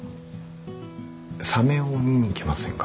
サメを見に行きませんか？